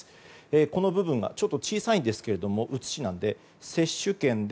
この部分が小さいんですけど写しなので、接種券で